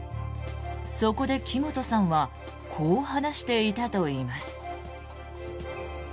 そこで木本さんはこう話していたといいます。